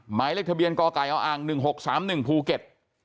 หมายเลขทะเบียนกไก่ออ๑๖๓๑ภูเก็ต